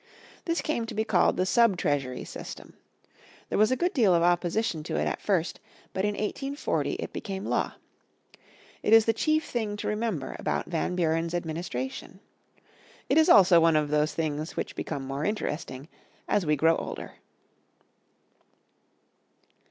This came to be called the Subtreasury System. There was a good deal of opposition to it at first but in 1840 it became law. It is the chief thing to remember about Van Buren's administration. It is also one of those things which become more interesting as we grow older.